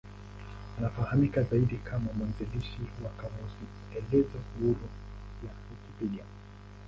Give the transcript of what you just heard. Anafahamika zaidi kama mwanzilishi wa kamusi elezo huru ya Wikipedia.